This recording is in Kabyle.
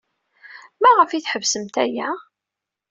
Maɣef ay tḥebsemt aya?